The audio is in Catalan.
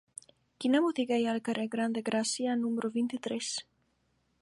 Quina botiga hi ha al carrer Gran de Gràcia número vint-i-tres?